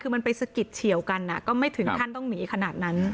คือมันไปสะกิดเฉียวกันก็ไม่ถึงขั้นต้องหนีขนาดนั้น